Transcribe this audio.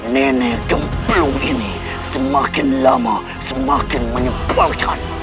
nenek gemplung ini semakin lama semakin menyebalkan